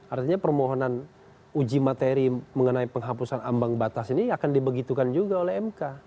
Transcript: artinya permohonan uji materi mengenai penghapusan ambang batas ini akan dibegitukan juga oleh mk